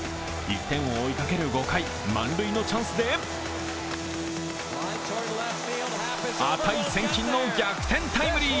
１点を追いかける５回満塁のチャンスで値千金の逆転タイムリー。